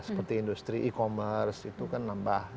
seperti industri e commerce itu kan nambah